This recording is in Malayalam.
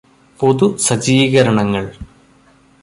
പൊതുസജ്ജീകരണങ്ങള്